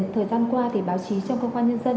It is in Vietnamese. thời gian qua thì báo chí trong công an nhân dân